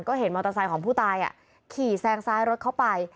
ก็เห็นมอเตอร์ไซค์ของผู้ตายขี่แซงซ้ายรถเข้าไป